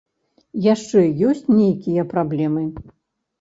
Яшчэ ёсць нейкія праблемы?